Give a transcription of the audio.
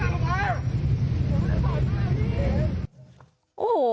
อันนี้